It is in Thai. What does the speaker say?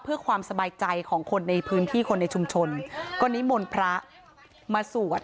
เพื่อความสบายใจของคนในพื้นที่คนในชุมชนก็นิมนต์พระมาสวด